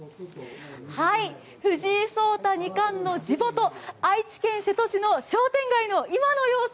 藤井聡太二冠の地元・愛知県瀬戸市の商店街の今の様子